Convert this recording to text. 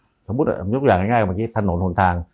อย่างงี้ทำไปแล้วเช่นสมมุติเริ่มงบริการง่ายเมื่อกี้ถนนทองทาง